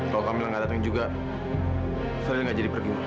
kalau kamila gak datang juga fadil gak jadi pergi mak